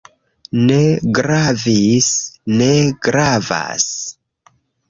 Ne gravis. Ne gravas.